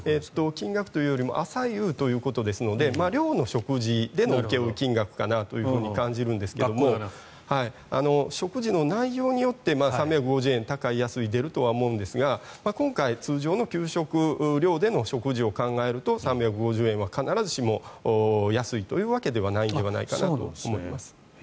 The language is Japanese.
金額というよりも朝夕ということですので寮の食事での請負金額かなと感じるんですが食事の内容によって３５０円高い、安い出ると思うんですが今回、通常の給食寮での食事を考えると３５０円は必ずしも安いというわけではないのではないかなと思います。